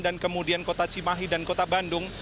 dan kemudian kota cimahi dan kota bandung